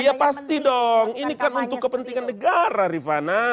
ya pasti dong ini kan untuk kepentingan negara rifana